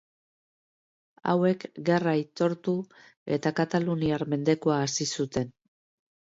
Hauek gerra aitortu eta kataluniar mendekua hasi zuten.